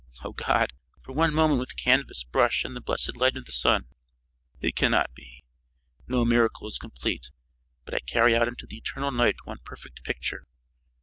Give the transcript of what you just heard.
Oh, God! For one moment with canvas, brush, and the blessed light of the sun! It cannot be! No miracle is complete; but I carry out into the eternal night one perfect picture.